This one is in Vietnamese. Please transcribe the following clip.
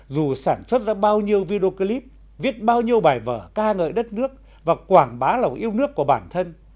dù sản xuất ra bao nhiêu video clip viết bao nhiêu bài vở ca ngợi đất nước và quảng bá lòng yêu nước của bản thân